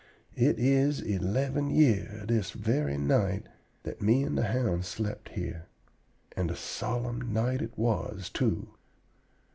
It is eleven year this very night that me and the hound slept here, and a solemn night it was, too.